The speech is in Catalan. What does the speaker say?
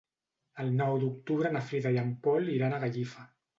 El nou d'octubre na Frida i en Pol iran a Gallifa.